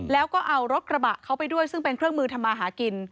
แล้วก็เอารถกระบะเขาไปด้วยซึ่งเป็นเครื่องมือทำมาหากิน